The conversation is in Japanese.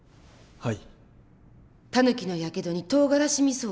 はい。